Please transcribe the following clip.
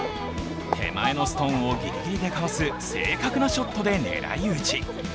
手前のストーンをギリギリでかわす正確なショットで狙い撃ち。